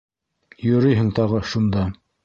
— Йөрөйһөң тағы шунда!